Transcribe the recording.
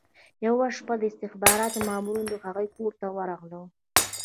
یوه شپه د استخباراتو مامورین د هغوی کور ته ورغلل